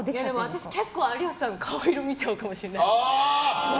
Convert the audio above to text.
私結構有吉さんの顔色見ちゃうかもしれない。